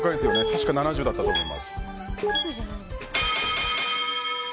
確か７０％だったと思います。